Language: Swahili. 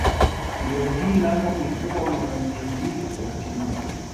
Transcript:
Leo hii London ni kubwa mara mia mbili kwa Timbuktu